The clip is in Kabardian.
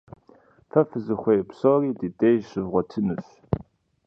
Фэ фызыхуей псори ди деж щывгъуэтынущ.